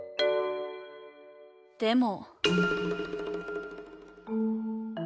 でも。